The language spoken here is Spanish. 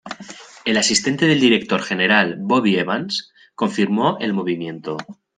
El asistente del director general, Bobby Evans, confirmó el movimiento.